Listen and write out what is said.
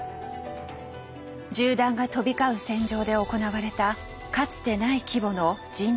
銃弾が飛び交う戦場で行われたかつてない規模の人道支援活動。